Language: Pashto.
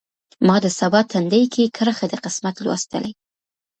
ما د سبا تندی کې کرښې د قسمت لوستلي